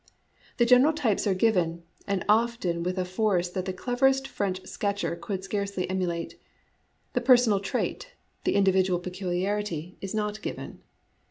The general types are given, and often with a force that 110 ABOUT FACES IN JAPANESE ART the cleverest French sketcher could scarcely emulate; the personal trait, the individual peculiarity, is not given.